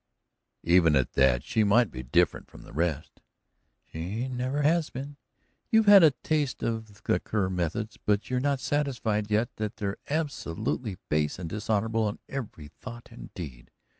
"Even at that, she might be different from the rest." "She never has been. You've had a taste of the Kerr methods, but you're not satisfied yet that they're absolutely base and dishonorable in every thought and deed.